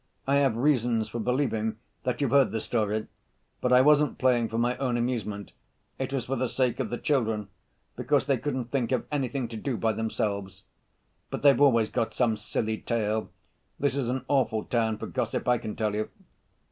I have reasons for believing that you've heard the story; but I wasn't playing for my own amusement, it was for the sake of the children, because they couldn't think of anything to do by themselves. But they've always got some silly tale. This is an awful town for gossip, I can tell you."